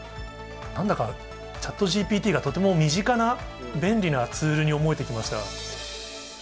なんだか、ＣｈａｔＧＰＴがとても身近な便利なツールに思えてきました。